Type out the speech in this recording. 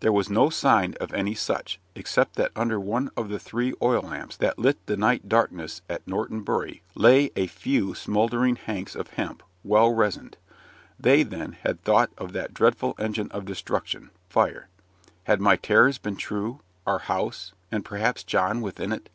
There was no sign of any such, except that under one of the three oil lamps that lit the night darkness at Norton Bury lay a few smouldering hanks of hemp, well resined. They, then, had thought of that dreadful engine of destruction fire. Had my terrors been true? Our house and perhaps John within it!